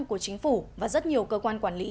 của chính phủ và rất nhiều cơ quan quản lý